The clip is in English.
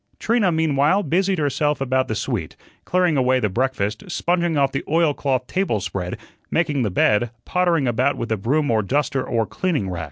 Trina, meanwhile, busied herself about the suite, clearing away the breakfast, sponging off the oilcloth table spread, making the bed, pottering about with a broom or duster or cleaning rag.